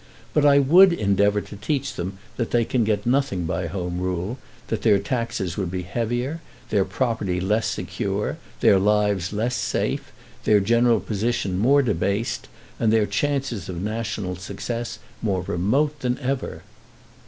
But I would endeavour to teach them that they can get nothing by Home Rule, that their taxes would be heavier, their property less secure, their lives less safe, their general position more debased, and their chances of national success more remote than ever."